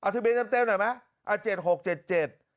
ทะเบียงจำเต้วหน่อยไหม๗๖๗๗